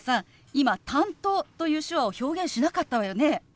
今「担当」という手話を表現しなかったわよね。